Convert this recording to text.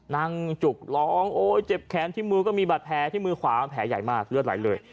นั่งจุบร้องโอ้ยเจ็บแขนที่มือก็มีบาดแพร่ที่มือขวามันแพร่ใหญ่มากเลือดไหลเลย